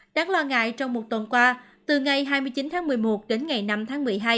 đáng lo ngại trong một tuần qua từ ngày hai mươi chín tháng một mươi một đến ngày năm tháng một mươi hai